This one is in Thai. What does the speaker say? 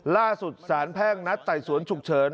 ล่าสุดสารแพ่งนัดไต่สวนฉุกเฉิน